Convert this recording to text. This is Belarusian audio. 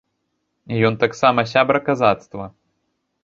Ён таксама сябра казацтва.